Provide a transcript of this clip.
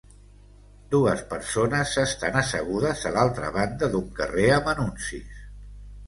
Dues persones s'estan assegudes a l'altra banda d'un carrer amb anuncis.